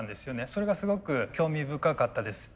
それがすごく興味深かったです。